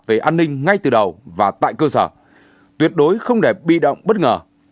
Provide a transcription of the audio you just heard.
về an ninh ngay từ đầu và tại cơ sở tuyệt đối không để bị động bất ngờ